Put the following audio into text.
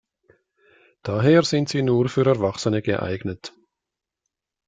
Daher sind sie nur für Erwachsene geeignet.